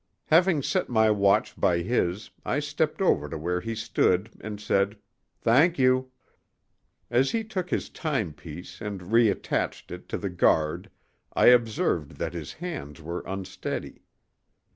Having set my watch by his, I stepped over to where he stood and said, "Thank you." As he took his timepiece and reattached it to the guard I observed that his hands were unsteady.